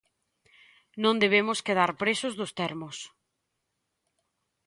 Non debemos quedar presos dos termos.